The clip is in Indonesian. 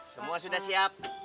semua sudah siap